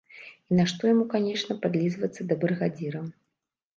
І нашто яму канечне падлізвацца да брыгадзіра?